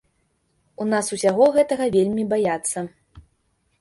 У нас усяго гэтага вельмі баяцца.